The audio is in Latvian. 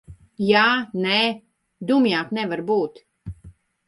Jā, nē. Dumjāk nevar būt.